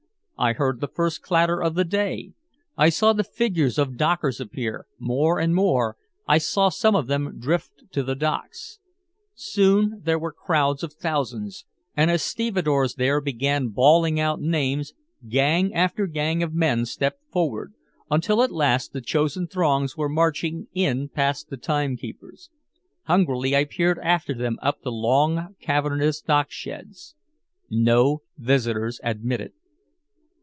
I heard the first clatter of the day. I saw the figures of dockers appear, more and more, I saw some of them drift to the docks. Soon there were crowds of thousands, and as stevedores there began bawling out names, gang after gang of men stepped forward, until at last the chosen throngs went marching in past the timekeepers. Hungrily I peered after them up the long cavernous docksheds. "No Visitors Admitted."